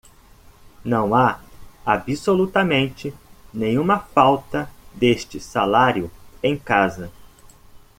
Não há absolutamente nenhuma falta deste salário em casa.